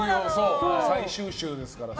最終週ですからね。